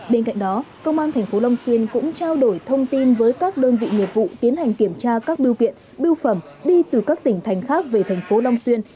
bên cạnh đó công an tp long xuyên cũng trao đổi thông tin với các đơn vị nghiệp vụ tiến hành kiểm tra các biêu kiện bưu phẩm đi từ các tỉnh thành khác về thành phố long xuyên